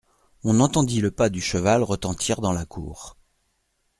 On entendit le pas du cheval retentir dans la cour.